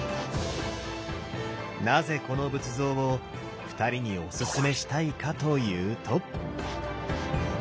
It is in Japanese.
なぜこの仏像を二人にオススメしたいかというと。